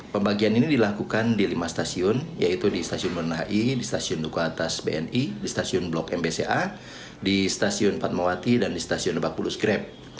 pembagian ini dilakukan di lima stasiun yaitu di stasiun mernai di stasiun dukuhatas bni di stasiun blok mbca di stasiun patmawati dan di stasiun empat puluh skrep